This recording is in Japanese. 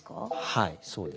はいそうです。